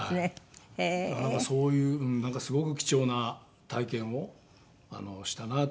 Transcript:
だからなんかそういうなんかすごく貴重な体験をしたなと思ってます。